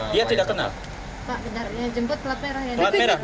plat merah pak yang jemput plat merah pak